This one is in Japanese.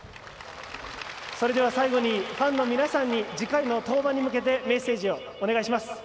最後に、ファンの皆さんに次回の登板に向けてメッセージをお願いします。